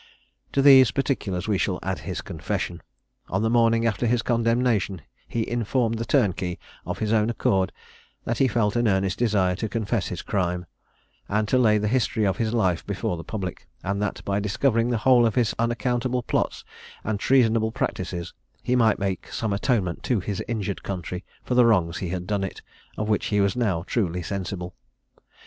To these particulars we shall add his confession. On the morning after his condemnation he informed the turnkey, of his own accord, that he felt an earnest desire to confess his crime, and to lay the history of his life before the public; and that by discovering the whole of his unaccountable plots and treasonable practices, he might make some atonement to his injured country for the wrongs he had done it, of which he was now truly sensible.